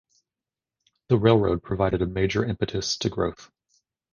The railroad provided a major impetus to growth.